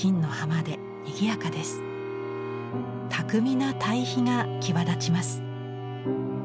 巧みな対比が際立ちます。